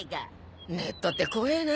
ネットって怖えな。